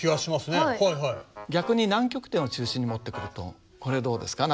逆に南極点を中心に持ってくるとこれはどうですか？